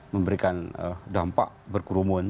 memberikan dampak berkerumun